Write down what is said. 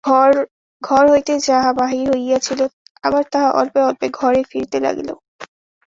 ঘর হইতে যাহা বাহির হইয়াছিল, আবার তাহা অল্পে অল্পে ঘরে ফিরিতে লাগিল।